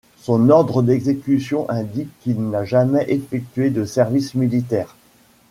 Son ordre d'exécution indique qu'il n'a jamais effectué de service militaire.